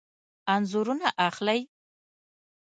انځورونه اخلئ؟